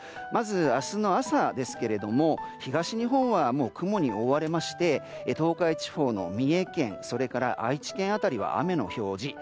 まず明日の朝ですけれども東日本は雲に覆われまして東海地方の三重県それから愛知県辺りは雨の表示。